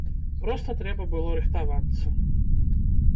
Проста трэба было рыхтавацца.